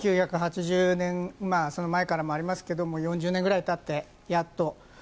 １９８０年その前からもありますが４０年ぐらいたってやっと。